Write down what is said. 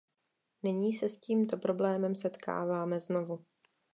Nyní se s tímto problémem setkáváme znovu.